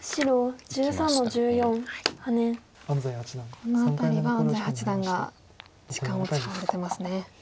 この辺りは安斎八段が時間を使われてますね。